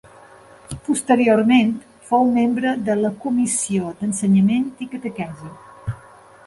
Posteriorment fou membre de la Comissió d'Ensenyament i Catequesi.